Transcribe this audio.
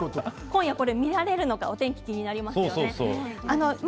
今夜、見られるのか天気が気になりますよね。